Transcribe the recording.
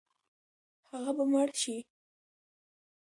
هغه به مړ شي.